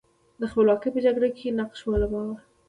د خپلواکۍ په جګړه کې نقش ولوباوه.